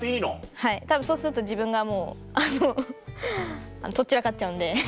はいたぶんそうすると自分がもうあの取っ散らかっちゃうんで。